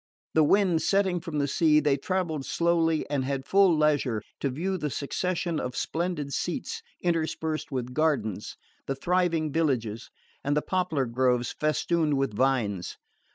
The wind setting from the sea, they travelled slowly and had full leisure to view the succession of splendid seats interspersed with gardens, the thriving villages, and the poplar groves festooned with vines.